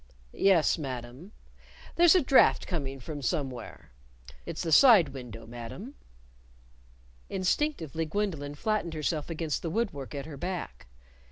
"Yes, Madam." "There's a draught coming from somewhere " "It's the side window, Madam." Instinctively Gwendolyn flattened herself against the wood work at her back.